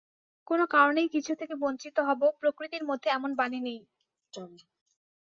কোনো কারণেই কিছু থেকে বঞ্চিত হব, প্রকৃতির মধ্যে এমন বাণী নেই।